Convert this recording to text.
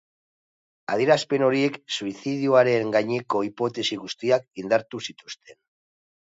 Adierazpen horiek suizidioaren gaineko hipotesi guztiak indartu zituzten.